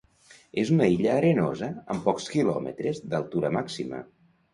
És una illa arenosa amb pocs quilòmetres d'altura màxima.